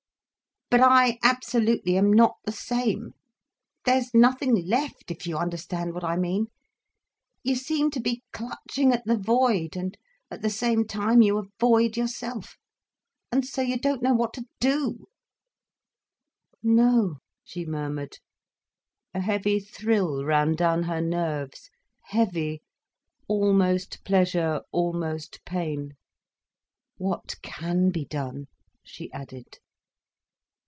"But I absolutely am not the same. There's nothing left, if you understand what I mean. You seem to be clutching at the void—and at the same time you are void yourself. And so you don't know what to do." "No," she murmured. A heavy thrill ran down her nerves, heavy, almost pleasure, almost pain. "What can be done?" she added.